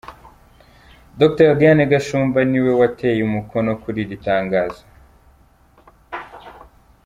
Dr Diane Gashumba ni we wateye umukono kuri iri tangazo.